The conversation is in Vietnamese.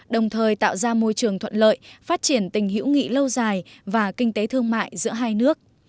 đồng thời tạo ra môi trường thuận lợi phát triển tình hữu nghị lâu dài và kinh tế thương mại giữa hai nước